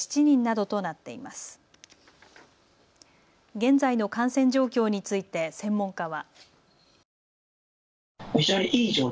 現在の感染状況について専門家は。